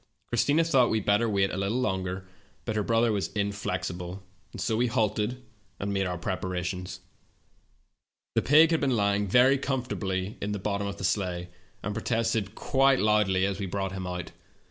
Chris tina thought we had better wait a little longer, but her brother was inflexible, and so we halted and made our preparations. •' The pig had been lying very comfortably in the CHASED BY WOLVES. 163 bottom of the sleigh, and protested quite loudly as we brought him out.